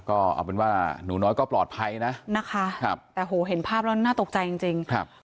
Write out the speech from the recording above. ก็เอาเป็นว่าหนูน้อยก็ปลอดภัยนะนะคะครับแต่โหเห็นภาพแล้วน่าตกใจจริงจริงครับ